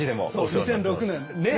２００６年ね。